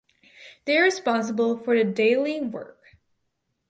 They are responsible for the daily work.